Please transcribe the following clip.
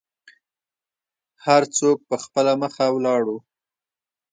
هر څوک په خپله مخه ولاړو.